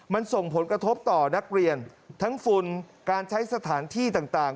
มันส่งผลกระทบต่อนักเรียนทั้งฝุ่นการใช้สถานที่ต่าง